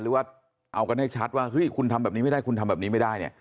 หรือว่าเอากันให้ชัดว่าเฮ้ยคุณทำแบบนี้ไม่ได้คุณทำแบบนี้ไม่ได้เนี่ย